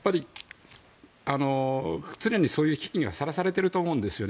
常に、そういう危機にさらされていると思います。